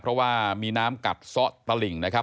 เพราะว่ามีน้ำกัดซ่อตลิ่งนะครับ